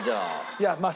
いやまあ